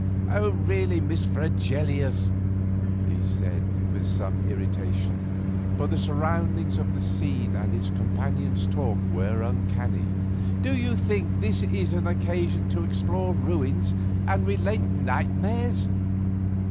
"Really, Miss Fregelius," he said, with some irritation, for the surroundings of the scene and his companion's talk were uncanny, "do you think this an occasion to explore ruins and relate nightmares?"